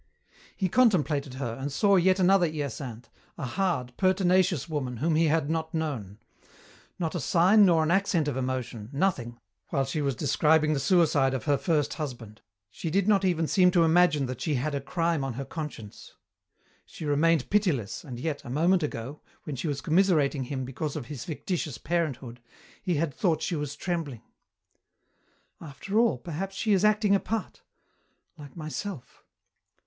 He contemplated her, and saw yet another Hyacinthe, a hard, pertinacious woman whom he had not known. Not a sign nor an accent of emotion, nothing, while she was describing the suicide of her first husband she did not even seem to imagine that she had a crime on her conscience. She remained pitiless, and yet, a moment ago, when she was commiserating him because of his fictitious parenthood, he had thought she was trembling. "After all, perhaps she is acting a part like myself."